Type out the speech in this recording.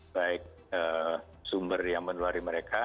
baik sumber yang menulari mereka